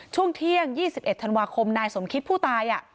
ช่วงเที่ยง๒๑ธันวาคมนายสมคิตผู้ตาย